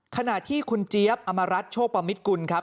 ขณะที่คุณเจี๊ยบอมรัฐโชคประมิตกุลครับ